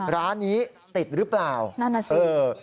ร้านนี้ติดหรือเปล่านั่นสิ